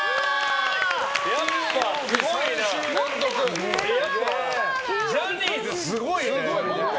やっぱりジャニーズ、すごいね！